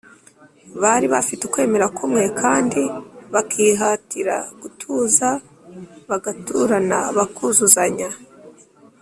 bari bafite ukwemera kumwe kandi bakihatira gutuza bagaturana, bakuzuzanya